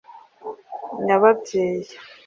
nyababyeyi